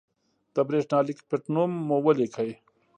د برېښنالېک پټنوم مو ولیکئ.